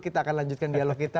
kita akan lanjutkan dialog kita